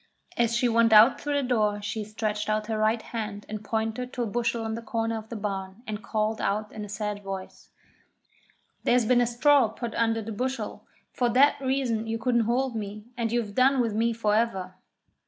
As she went out through the door she stretched out her right hand and pointed to a bushel in the corner of the barn, and called out in a sad voice: 'There's been a straw put under the bushel for that reason you couldn't hold me, and you've done with me for ever!'